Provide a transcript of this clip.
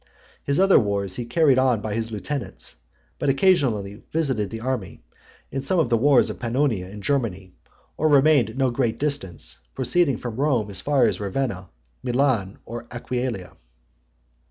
His other wars he carried on by his lieutenants; but occasionally visited the army, in some of the wars of Pannonia and Germany, or remained at no great distance, proceeding from Rome as far as Ravenna, Milan, or Aquileia.